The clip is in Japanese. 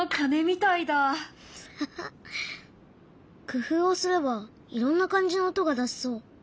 工夫をすればいろんな感じの音が出せそう。